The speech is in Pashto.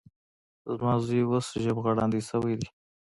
زما زوی اوس ژبغړاندی شوی دی.